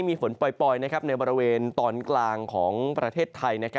มีฝนปล่อยในบริเวณตอนกลางของประเทศไทย